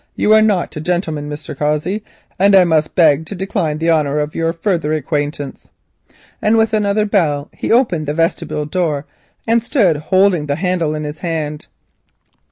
You are not a gentleman, Mr. Cossey, and I must beg to decline the honour of your further acquaintance," and with another bow he opened the vestibule door and stood holding the handle in his hand.